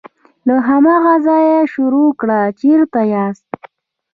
له هماغه ځایه یې شروع کړه چیرته چې یاست.